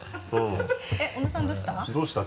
小野さんどうした？